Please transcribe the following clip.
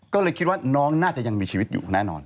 ก็เลยคิดว่าน้องน่าจะยังมีชีวิตอยู่แน่นอน